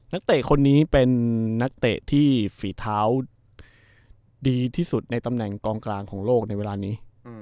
เตะคนนี้เป็นนักเตะที่ฝีเท้าดีที่สุดในตำแหน่งกองกลางของโลกในเวลานี้